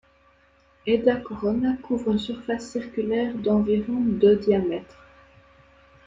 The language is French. Edda Corona couvre une surface circulaire d'environ de diamètre.